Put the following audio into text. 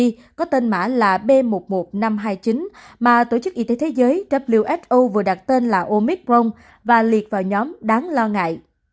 nam phi có tên mã là b một một năm trăm hai mươi chín mà tổ chức y tế thế giới who vừa đặt tên là omicron và liệt vào nhóm đáng lo ngại